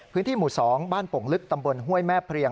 พื้นที่หมู่๒บ้านโป่งลึกตำบลห้วยแม่เพลีย